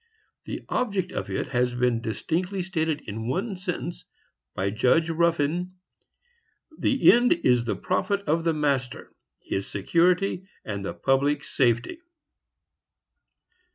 The object of it has been distinctly stated in one sentence, by Judge Ruffin,—"The end is the profit of the master, his security, and the public safety."